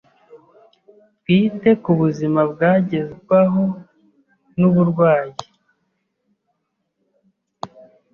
twite k’ubuzima bwagerwaho n’uburwayi